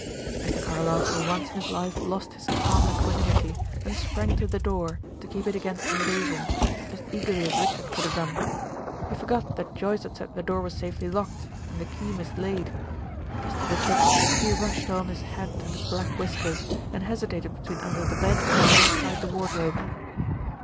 Mr. Carlyle for once in his life lost his calm equanimity, and sprang to the door, to keep it against invasion, as eagerly as Richard could have done. He forgot that Joyce had said the door was safely locked, and the key mislaid. As to Richard, he rushed on his hat and his black whiskers, and hesitated between under the bed and inside the wardrobe.